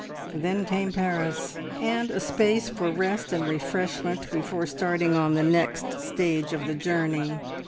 Then came Paris, and a space for rest and refreshment before starting on the next stage of the journey.